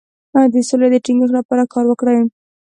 د سولې د ټینګښت لپاره کار وکړئ.